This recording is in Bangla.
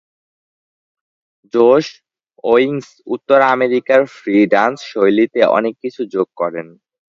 জোশ ওয়িংস উত্তর আমেরিকার ফ্রি ড্যান্স শৈলীতে অনেক কিছু যোগ করেন।